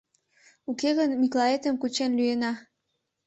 Уке гын Миклаетым кучен лӱена!..